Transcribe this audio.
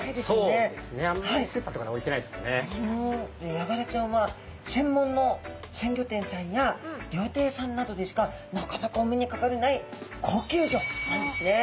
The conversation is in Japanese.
ヤガラちゃんは専門の鮮魚店さんや料亭さんなどでしかなかなかお目にかかれない高級魚なんですね。